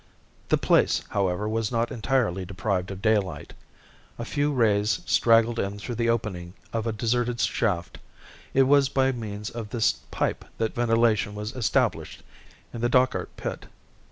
The place, however, was not entirely deprived of daylight. A few rays straggled in through the opening of a deserted shaft. It was by means of this pipe that ventilation was established in the Dochart pit.